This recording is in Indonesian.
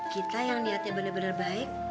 kita yang niatnya bener bener baik